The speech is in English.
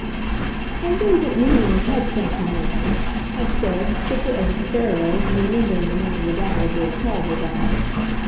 "I really don't need any help, thank you, Nora," I said, chipper as a sparrow, and remembering the name the Dowager had called her by.